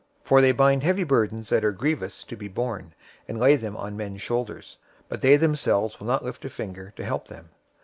023:004 For they bind heavy burdens that are grievous to be borne, and lay them on men's shoulders; but they themselves will not lift a finger to help them.